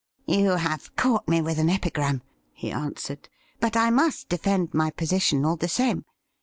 ' You have caught me with an epigram,' he answered ;' but I must defend my position, all the same.